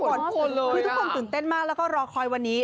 คุณทุกคนตื่นเต้นมากแล้วก็รอคอยวันนี้